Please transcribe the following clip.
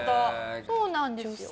そうなんですよ。